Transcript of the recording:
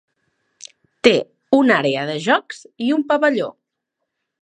Té una àrea de jocs i un pavelló.